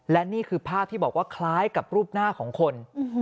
และนี่คือภาพที่บอกว่าคล้ายกับรูปหน้าของคน